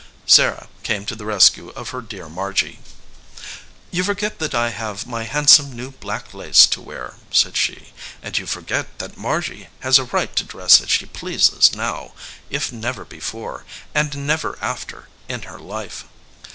Sarah came to the rescue of her dear Margy. "You forget that I have my handsome new black lace to wear," said she, "and you forget that Margy has a right to dress as she pleases now, if never before, and never after, in her life."